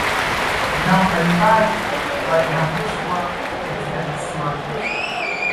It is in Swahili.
Wanyama mbalimbali walihamishiwa katika kisiwa hiki